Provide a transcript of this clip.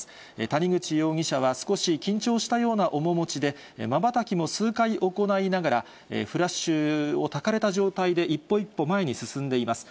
谷口容疑者は、少し緊張したような面持ちでまばたきも数回行いながらフラッシュをたかれた状態で、一歩一歩前に進んでいます。